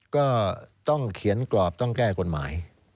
ก็ต้องเขียนกรอบต้องแก้กฎหมาย